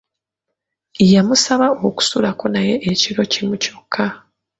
Yamusaba okusulako naye ekiro kimu kyokka.